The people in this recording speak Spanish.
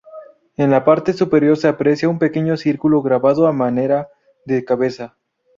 En la parte superior se aprecia un pequeño círculo grabado a manera de cabeza.